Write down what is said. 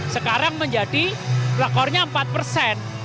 sekarang menjadi lekornya empat persen